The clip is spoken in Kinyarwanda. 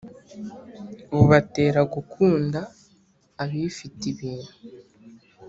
Bubatera gukunda abifite ibintu